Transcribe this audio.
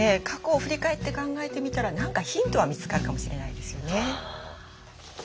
過去を振り返って考えてみたら何かヒントは見つかるかもしれないですよね。